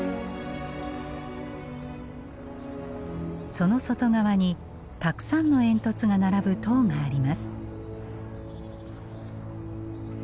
その外側にたくさんの煙突が並ぶ塔があります。